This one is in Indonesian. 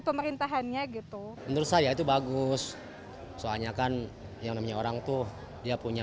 pemerintahannya gitu menurut saya itu bagus soalnya kan yang namanya orang tuh dia punya